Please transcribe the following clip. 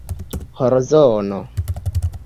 horzono